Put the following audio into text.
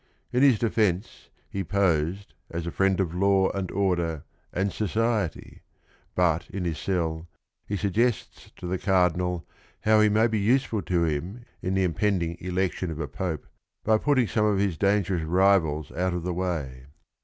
In his defence he posed as a friend of law, and order, and society, but in his cell he suggests to the Cardinal how he may be useful to him in the impending elec tion of a Pope by putting some of his dangerous rivals out of the way.